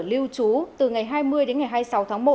lưu trú từ ngày hai mươi đến ngày hai mươi sáu tháng một